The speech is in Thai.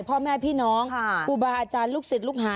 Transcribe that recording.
พ่อแม่พี่น้องครูบาอาจารย์ลูกศิษย์ลูกหา